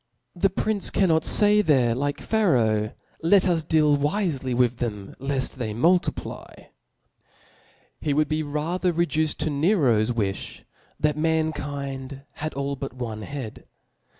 The prince cannot B o o k fay there like Pharaoh, Let us deal wifdy with them ci^p/21. lejl they multiply. He would be rather reduced to Nero's wi(h, that mankind had all but one head.